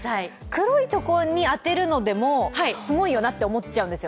黒いところに当てるのでもすごいよなって思っちゃうんですよ。